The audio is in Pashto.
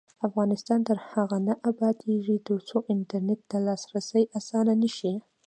افغانستان تر هغو نه ابادیږي، ترڅو انټرنیټ ته لاسرسی اسانه نشي.